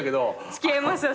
付き合いますよ